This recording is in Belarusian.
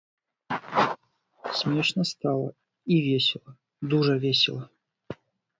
Смешна стала і весела, дужа весела.